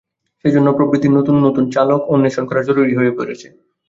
সে জন্য প্রবৃদ্ধির নতুন নতুন চালক অন্বেষণ করা জরুরি হয়ে পড়েছে।